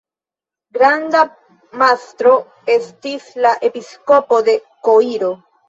Landa mastro estis la episkopo de Koiro.